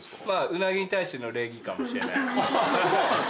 うなぎに対しての礼儀かもしれないです。